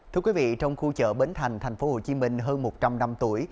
thưa quý vị trong khu chợ bến thành thành phố hồ chí minh hơn một trăm linh năm tuổi